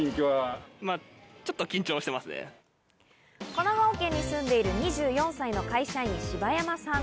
神奈川県に住んでいる２４歳のシバヤマさん。